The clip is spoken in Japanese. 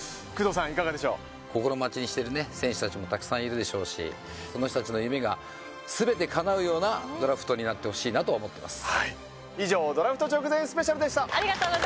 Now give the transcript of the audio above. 心待ちにしている選手たちもたくさんいるでしょうしその人たちの夢が全てかなうようなドラフトになってほしいなと思っています。